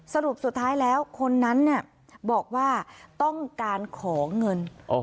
สรุปสุดท้ายแล้วคนนั้นบอกว่าต้องการของเงิน